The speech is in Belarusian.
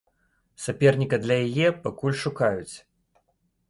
Саперніка для яе пакуль шукаюць.